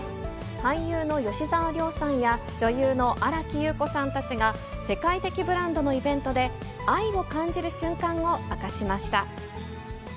俳優の吉沢亮さんや女優の新木優子さんたちが世界的ブランドのイベントで、愛を感じる瞬間を明かしました。